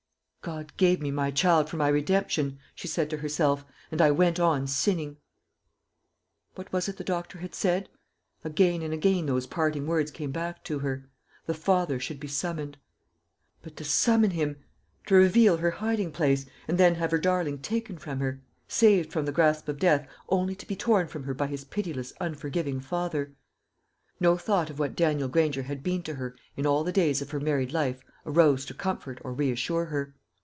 "God gave me my child for my redemption," she said to herself, "and I went on sinning." What was it the doctor had said? Again and again those parting words came back to her. The father should be summoned. But to summon him, to reveal her hiding place, and then have her darling taken from her, saved from the grasp of death only to be torn from her by his pitiless unforgiving father! No thought of what Daniel Granger had been to her in all the days of her married life arose to comfort or reassure her.